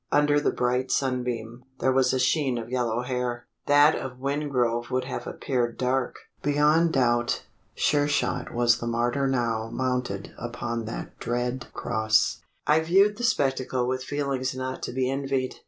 Under the bright sunbeam, there was a sheen of yellow hair. That of Wingrove would have appeared dark. Beyond doubt, Sure shot was the martyr now mounted upon that dread cross! I viewed the spectacle with feelings not to be envied.